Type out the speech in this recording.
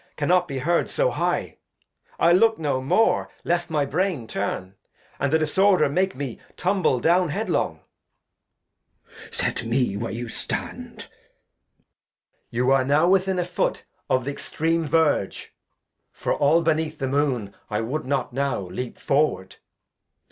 ^Ijr^ I Cannot be heard so high ; I'll look no more ^^^"^^^al^ Lest my Brain turn, and the Disorder make me jjj^ ^ Tumble down head long. "^^ Glost. Set me where you stand. Edg. You are now within a Foot of th'extream Verge. For aU beneath the Moon I wou'd not now Leap forward.